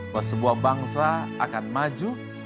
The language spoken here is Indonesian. bahwa sebuah bangsa akan maju